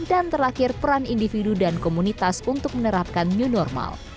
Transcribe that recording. dan terakhir peran individu dan komunitas untuk menerapkan new normal